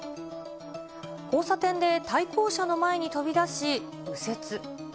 交差点で対向車の前に飛び出し、右折。